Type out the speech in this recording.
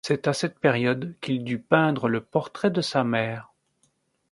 C'est à cette période qu'il dut peindre le portrait de sa mère.